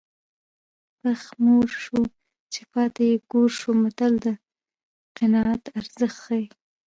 پښ موړ شو چې پاته یې کور شو متل د قناعت ارزښت ښيي